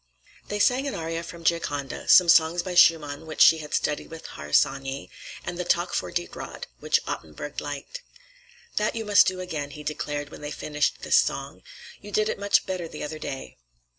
Thea sang an aria from 'Gioconda,' some songs by Schumann which she had studied with Harsanyi, and the "Tak for Dit Råd," which Ottenburg liked. "That you must do again," he declared when they finished this song. "You did it much better the other day.